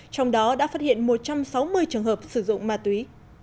trong đó đã phát hiện một trăm sáu mươi trường hợp sử dụng ma túy